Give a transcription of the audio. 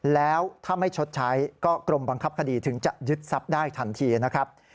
แล้วถ้าไม่ชดใช้ก็กรมบังคับคดีถึงจะยึดทรัพย์ได้ทันทีนะครับ